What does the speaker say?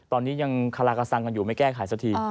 ตอนนี้ยังคารากระสังกันอยู่ไม่แก้ไขสักที